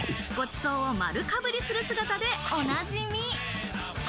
水卜といえば、ごちそうを丸かぶりする姿でおなじみ。